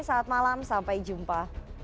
selamat malam sampai jumpa